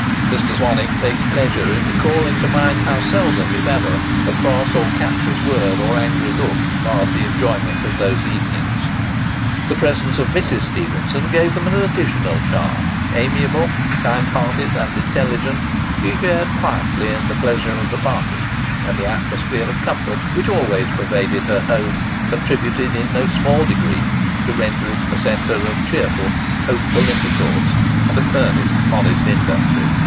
Mr. Swanwick takes pleasure in recalling to mind how seldom, if ever, a cross or captious word, or an angry look, marred the enjoyment of those evenings. The presence of Mrs. Stephenson gave them an additional charm: amiable, kind hearted, and intelligent, she shared quietly in the pleasure of the party; and the atmosphere of comfort which always pervaded her home contributed in no small degree to render it a centre of cheerful, hopeful intercourse, and of earnest, honest industry.